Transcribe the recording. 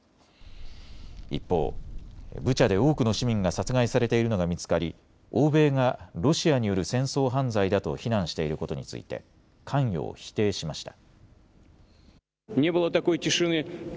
一方、ブチャで多くの市民が殺害されているのが見つかり欧米がロシアによる戦争犯罪だと非難していることについて関与を否定しました。